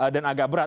dan agak berat